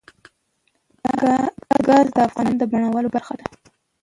ګاز د افغانستان د بڼوالۍ برخه ده.